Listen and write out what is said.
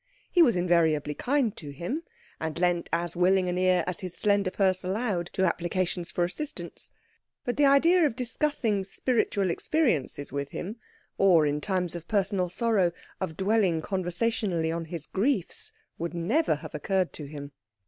He was invariably kind to him, and lent as willing an ear as his slender purse allowed to applications for assistance; but the idea of discussing spiritual experiences with him, or, in times of personal sorrow, of dwelling conversationally on his griefs, would never have occurred to him.